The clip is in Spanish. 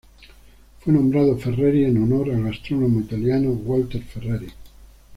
Fue nombrado Ferreri en honor al astrónomo italiano Walter Ferreri.